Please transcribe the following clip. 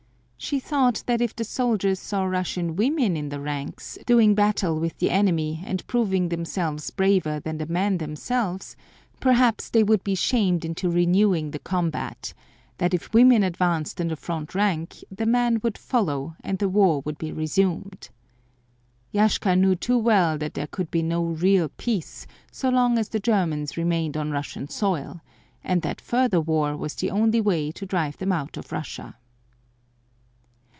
She thought that if the soldiers saw Russian women in the ranks, doing battle with the enemy and proving themselves braver than the men themselves, perhaps they would be shamed into renewing the combat; that if women advanced in the front rank, the men would follow and the war would be resumed. Yashka knew too well that there could be no real peace so long as the Germans remained on Russian soil; and that further war was the only way to drive them out of Russia.